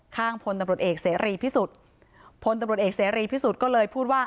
ข้างพลตำรวจเอกเสรีพิสุทธิ์พลตำรวจเอกเสรีพิสุทธิ์ก็เลยพูดว่า